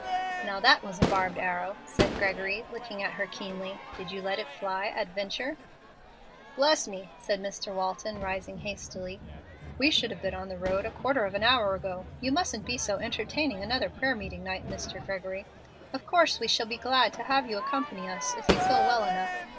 "Now that was a barbed arrow," said Gregory, looking at her keenly. "Did you let it fly at a venture?" "Bless me!" said Mr. Walton, rising hastily, "we should have been on the road a quarter of an hour ago. You mustn't be so entertaining another prayer meeting night, Mr. Gregory. Of course we shall be glad to have you accompany us if you feel well enough.